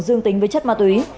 dương tính với chất ma túy